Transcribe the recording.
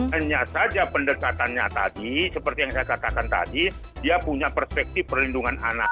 hanya saja pendekatannya tadi seperti yang saya katakan tadi dia punya perspektif perlindungan anak